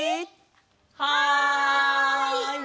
はい！